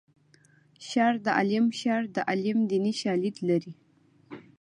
شر د عالم شر د عالم دیني شالید لري